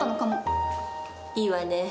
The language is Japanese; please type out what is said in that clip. いいわね。